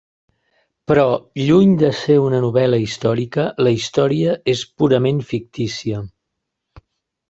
Però, lluny de ser una novel·la històrica, la història és purament fictícia.